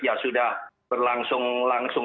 ya sudah berlangsung langsung